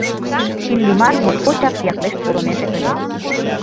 Иллимар моткочак яклешт волынеже ыле.